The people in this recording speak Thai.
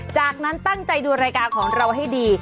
จากนั้นตั้งใจดูรายการของเราให้ดี